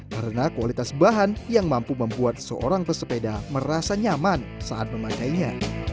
karena kualitas bahan yang mampu membuat seorang pesepeda merasa nyaman saat memakainya